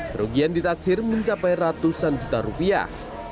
kerugian ditaksir mencapai ratusan juta rupiah